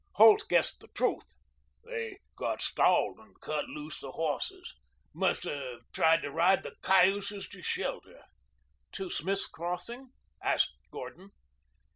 Holt guessed the truth. "They got stalled and cut loose the horses. Must have tried to ride the cayuses to shelter." "To Smith's Crossing?" asked Gordon.